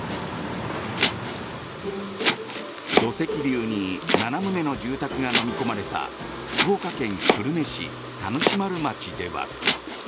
土石流に７棟の住宅がのみ込まれた福岡県久留米市田主丸町では。